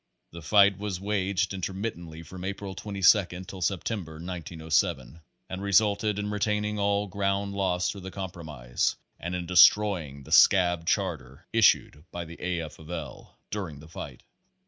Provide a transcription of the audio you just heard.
The fight was waged intermit tently from April 22 till September, 1907, and resulted in regaining all ground lost through the compromise, and in destroying the scab charter issued by the A. F. of L. during the fight.